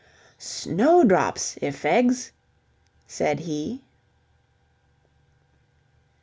"Snowdrops, i'fegs!" said he.